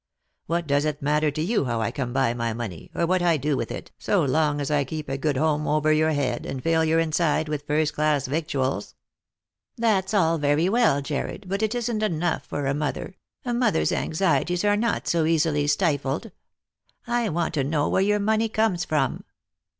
What does it matter to you how I come by my money, or what I do with it, so long as I keep a good home over your head, and fill your inside with first class victuals P" " That's all very well, Jarred, but it isn't enough for a mother , a mother's anxieties are not so easily stifled. I want to know where your money comes from."